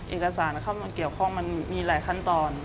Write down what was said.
เอกสารเข้ามาเกี่ยวข้องมันมีหลายขั้นตอน